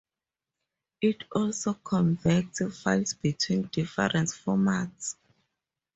It also converts files between different formats.